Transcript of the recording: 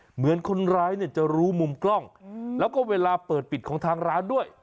เหมือนคนร้ายเนี่ยจะรู้มุมกล้องแล้วก็เวลาเปิดปิดของทางร้านด้วย